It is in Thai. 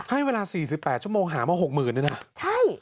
ให้เวลา๔๘ชั่วโมงหามา๖หมื่นเลยนะใช่